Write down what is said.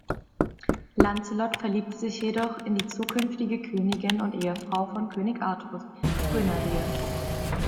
Lancelot verliebt sich jedoch in die künftige Königin und Ehefrau von König Artus, Guinevere.